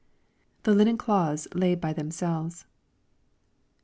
[The linen clothes laid hy themselves.